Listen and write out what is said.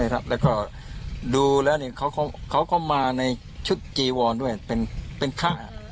แล้วก็ดูแล้วเขาก็มาในชุดจีวอนด้วยเป็นค่า